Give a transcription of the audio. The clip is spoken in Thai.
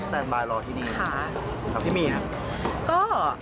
สแตนบายรอที่นี่ค่ะครับที่มีน่ะก็